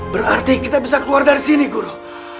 berarti kita bisa keluar dari sini guru